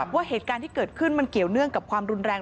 ว่าเหตุการณ์ที่เกิดขึ้นมันเกี่ยวเนื่องกับความรุนแรง